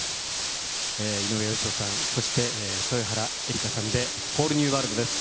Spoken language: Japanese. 井上芳雄さん、そして豊原江理佳さんで、ホール・ニュー・ワールドです。